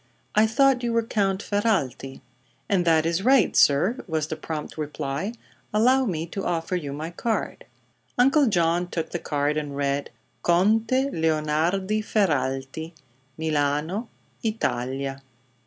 "I thought you were Count Ferralti." "And that is right, sir," was the prompt reply. "Allow me to offer you my card." Uncle John took the card and read: "CONTE LEONARDI FERRALTI, Milano, Italia."